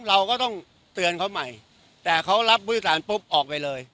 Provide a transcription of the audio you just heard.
เราก็ต้องเตือนเขาใหม่แต่เขารับบริการปุ๊บออกไปเลย